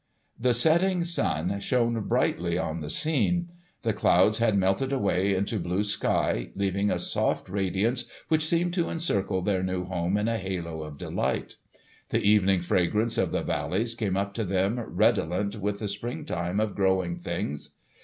The setting sun shone brightly on the scene. The clouds had melted away into blue sky, leaving a soft radiance which seemed to encircle their new home in a halo of delight. The evening fragrance of the valleys came up to them redolent with the springtime of growing things.